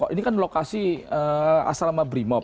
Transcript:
ini kan lokasi asrama brimob